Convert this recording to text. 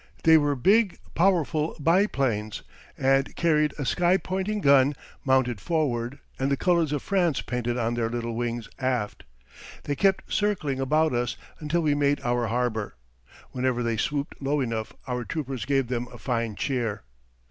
They were big, powerful biplanes, and carried a sky pointing gun mounted forward and the colors of France painted on their little wings aft. They kept circling about us until we made our harbor. Whenever they swooped low enough our troopers gave them a fine cheer.